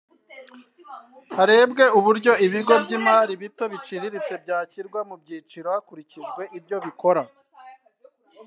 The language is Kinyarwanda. Harebwe uburyo ibigo by’imari bito n’ibiciriritse byashyirwa mu byiciro hakurikijwe ibyo bikora